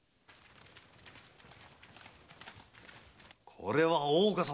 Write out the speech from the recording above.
これは大岡様